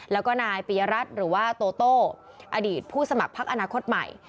แล้วก็นายปียรัฐหรือว่าโตโต้อดีตผู้สมัครพักอนาคตใหม่